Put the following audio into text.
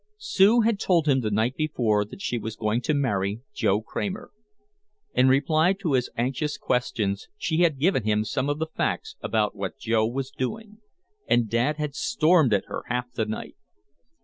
Sue had told him the night before that she was going to marry Joe Kramer. In reply to his anxious questions she had given him some of the facts about what Joe was doing. And Dad had stormed at her half the night.